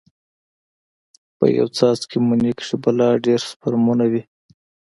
په يو څاڅکي مني کښې بلا ډېر سپرمونه وي.